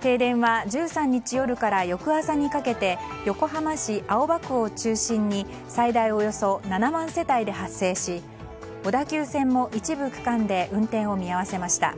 停電は１３日夜から翌朝にかけて横浜市青葉区を中心に最大およそ７万世帯で発生し小田急線も一部区間で運転を見合わせました。